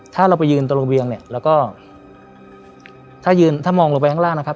ถ้าเราไปยืนตรงระเบียงเนี่ยแล้วก็ถ้ายืนถ้ามองลงไปข้างล่างนะครับ